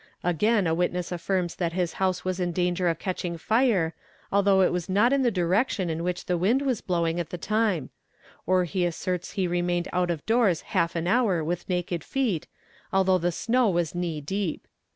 Again a witness affirms that his house was in danger of catching fire, although it was not in the direction in which the wind was blowing at the time; or he asserts he remained out of doors half an hour with naked feet, although the snow was knee deep.